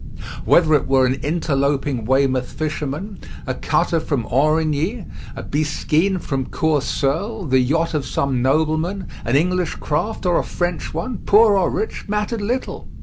Whether it were an interloping Weymouth fisherman, a cutter from Aurigny, a bisquine from Courseulle, the yacht of some nobleman, an English craft or a French one poor or rich, mattered little.